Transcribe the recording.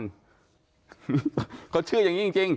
เขาเชื่ออย่างนี้จริง